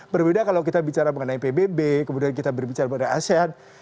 berbeda kalau kita bicara mengenai pbb kemudian kita berbicara pada asean